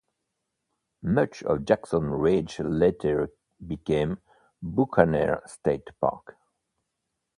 Much of Jackson Ridge later became Buccaneer State Park.